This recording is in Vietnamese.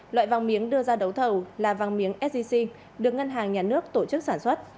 loại vàng miếng đưa ra đấu thầu là vàng miếng sgc được ngân hàng nhà nước tổ chức sản xuất